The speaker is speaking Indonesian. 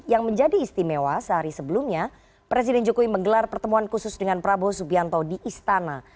yang menjadi istimewa sehari sebelumnya presiden jokowi menggelar pertemuan khusus dengan prabowo subianto di istana